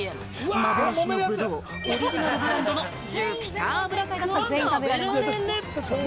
幻のブドウ、オリジナルブランドのジュピターブラックを食べられる。